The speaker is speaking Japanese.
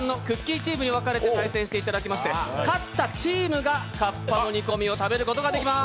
チームに分かれて対戦していただきまして、勝ったチームがかっぱの煮込みを食べることができます。